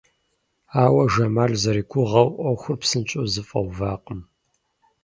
Ауэ Жамал зэригугъэу ӏуэхур псынщӏэу зэфӏэувакъым.